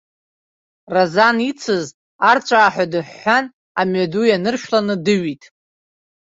Разан ицыз арҵәааҳәа дыҳәҳәан, амҩаду ианыршәланы дыҩит.